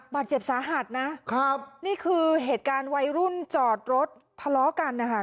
บาดเจ็บสาหัสนะครับนี่คือเหตุการณ์วัยรุ่นจอดรถทะเลาะกันนะคะ